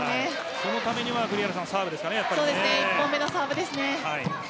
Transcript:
そのためには栗原さん、サーブですかね。